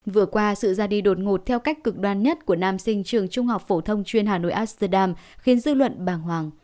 vừa qua sự ra đi đột ngột theo cách cực đoan nhất của nam sinh trường trung học phổ thông chuyên hà nội asterdam khiến dư luận bàng hoàng